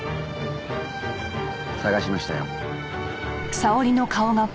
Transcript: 捜しましたよ。